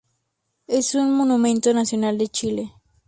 Es un Monumento Nacional de Chile.